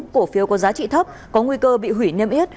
cổ phiếu có giá trị thấp có nguy cơ bị hủy niêm yết